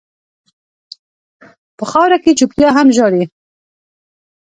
په خاوره کې چپتيا هم ژاړي.